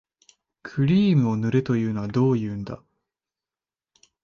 クリームを塗れというのはどういうんだ